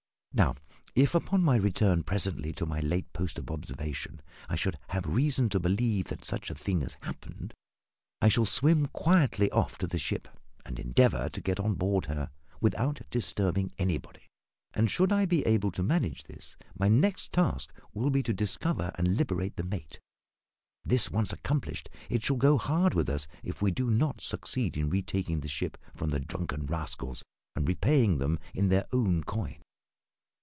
Now, if upon my return presently to my late post of observation I should have reason to believe that such a thing has happened, I shall swim quietly off to the ship, and endeavour to get on board her without disturbing anybody; and should I be able to manage this, my next task will be to discover and liberate the mate. This once accomplished, it shall go hard with us if we do not succeed in retaking the ship from the drunken rascals, and repaying them in their own coin."